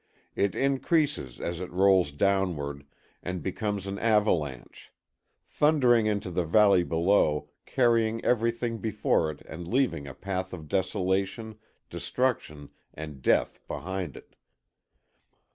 It increases as it rolls downward and becomes an avalanche; thundering into the valley below, carrying everything before it and leaving a path of desolation, destruction and death behind it.